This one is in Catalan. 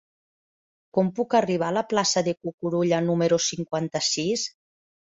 Com puc arribar a la plaça de Cucurulla número cinquanta-sis?